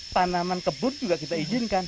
tanaman kebun juga kita izinkan